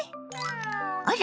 あら！